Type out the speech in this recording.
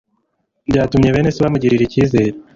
byatumye bene se bamugirira icyizere.